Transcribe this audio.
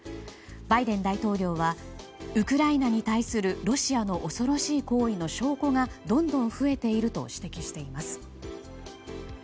バイデン大統領はウクライナに対するロシアの恐ろしい行為の証拠がどんどん増えていると指摘しています。